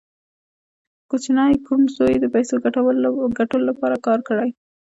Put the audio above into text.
کوچني کوڼ زوی یې د پیسو ګټلو لپاره کار کړی